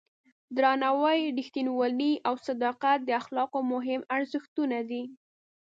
درناوی، رښتینولي او صداقت د اخلاقو مهم ارزښتونه دي.